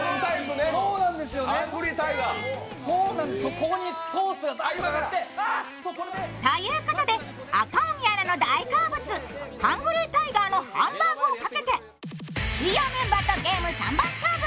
ここにソースがかかってということで赤荻アナの大好物、ハングリータイガーのハンバーグをかけて、水曜メンバーとゲーム３番勝負。